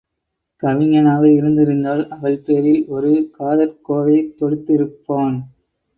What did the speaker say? கவிஞனாக இருந்திருந்தால் அவள் பேரில் ஒரு காதற் கோவை தொடுத்து இருப்பான்.